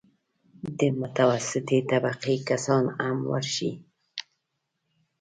د متوسطې طبقې کسان هم ورشي.